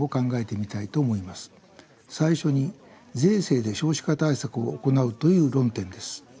最初に税制で少子化対策を行うという論点です。